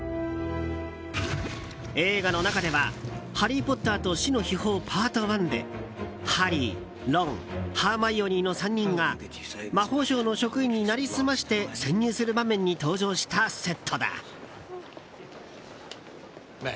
映画の中では「ハリー・ポッターと死の秘宝ＰＡＲＴ１」でハリー、ロンハーマイオニーの３人が魔法省の職員になりすまして潜入する場面に登場したセットだ。